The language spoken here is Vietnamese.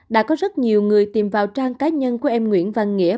đã có rất nhiều người tìm vào trang cá nhân của em nguyễn văn nghĩa